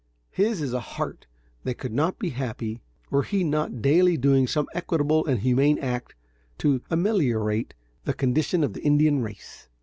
His is a heart that could not be happy were he not daily doing some equitable and humane act to ameliorate the condition of the Indian race.